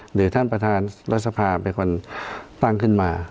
หรือท่านประธานรัฐสภาเป็นคนตั้งขึ้นมา